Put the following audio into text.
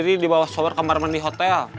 berdiri di bawah shower kamar mandi hotel